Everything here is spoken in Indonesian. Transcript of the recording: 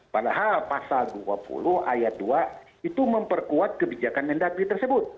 padahal pasal dua puluh ayat dua itu memperkuat kebijakan mendagri tersebut